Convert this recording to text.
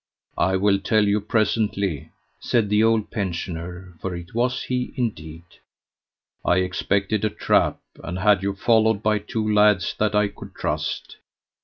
"I will tell you presently," said the old pensioner, for it was he indeed. "I expected a trap, and had you followed by two lads that I could trust.